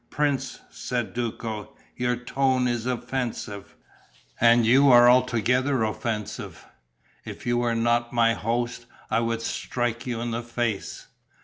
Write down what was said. "Prince," said Duco, "your tone is offensive." "And you are altogether offensive." "If you were not my host, I would strike you in the face...."